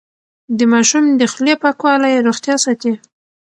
د ماشوم د خولې پاکوالی روغتيا ساتي.